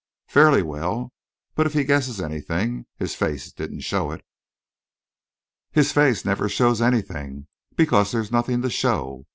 "Fairly well; but if he guesses anything, his face didn't show it." "His face never shows anything, because there's nothing to show.